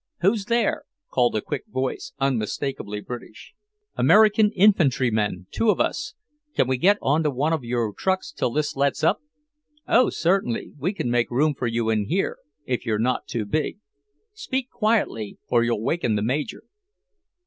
"Who's there?" called a quick voice, unmistakably British. "American infantrymen, two of us. Can we get onto one of your trucks till this lets up?" "Oh, certainly! We can make room for you in here, if you're not too big. Speak quietly, or you'll waken the Major."